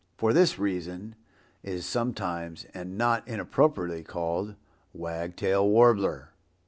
For this reason it is sometimes, and not inappropriately called Wag Tail Warbler."